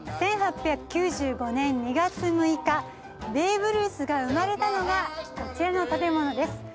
１８９５年２月６日ベーブ・ルースが生まれたのがこちらの建物です。